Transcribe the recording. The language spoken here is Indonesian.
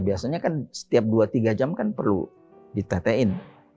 biasanya kan setiap dua tiga jam kan perlu ditetein